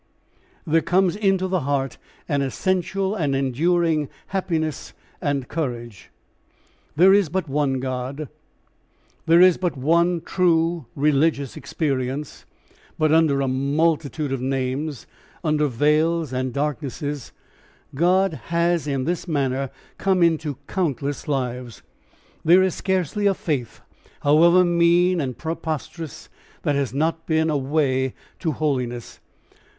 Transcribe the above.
There comes into the heart an essential and enduring happiness and courage. There is but one God, there is but one true religious experience, but under a multitude of names, under veils and darknesses, God has in this manner come into countless lives. There is scarcely a faith, however mean and preposterous, that has not been a way to holiness.